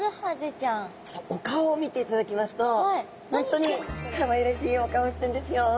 お顔を見ていただきますと本当にかわいらしいお顔してんですよ。